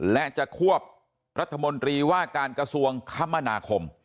และจะควบรัฐมนตรีว่าการกระทรวงคมนาคม